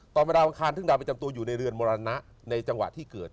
ต่อเมื่อทางคลานทึ่งดาวเป็นจำตัวอยู่ในเรือนมรณะในจังหวะที่เกิด